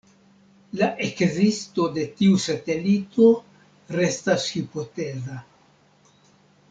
La ekzisto de tiu satelito restas hipoteza.